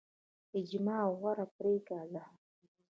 اجماع غوره پریکړه ده